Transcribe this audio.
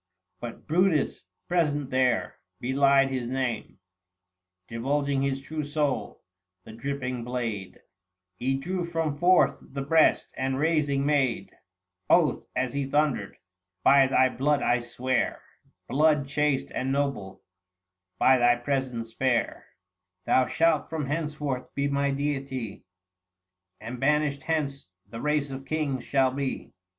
But Brutus, present there, belied his name, 890 Divulging his true soul : the dripping blade He drew from forth the breast, and, raising, made Oath, as he thundered :—" By thy blood I swear, Blood chaste and noble, by thy presence fair, Thou shalt from henceforth be my deity, — 895 And banished hence the race of Kings shall be.